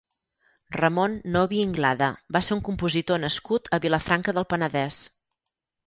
Ramón Novi Inglada va ser un compositor nascut a Vilafranca del Penedès.